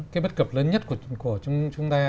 cái bất cập lớn nhất của chúng ta